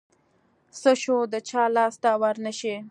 څه شوه د چا لاس ته ورنشي.